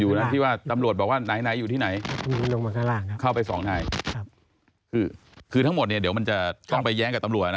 อยู่นะที่ว่าตำรวจบอกว่าไหนอยู่ที่ไหน